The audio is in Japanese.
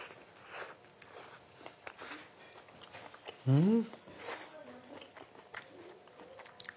うん！